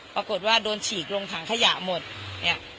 ปรากฏว่าโดนฉีกลงถังขยะหมดเนี่ย